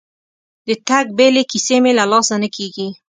د تګ بیلې کیسې مې له لاسه نه کېږي.